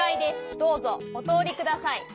どうぞおとおりください」。